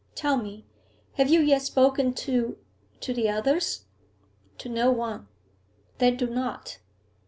Tell me; have you yet spoken to to the others?' 'To no one.' 'Then do not.